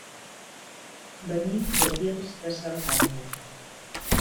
Venim de Guils de Cerdanya.